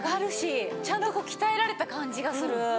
ちゃんとこう鍛えられた感じがする。